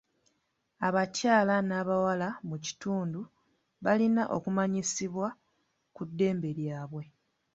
Abakyala n'abawala mu kitundu balina okumanyisibwa ku ddembe lyabwe.